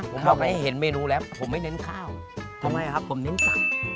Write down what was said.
ผมบอกให้เห็นเมนูแล้วผมไม่เน้นข้าวทำไมครับผมเน้นตับ